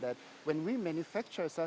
untuk membuat produk